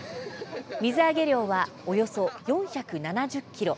水揚げ量は、およそ４７０ｋｇ。